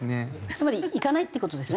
つまり行かないって事ですね？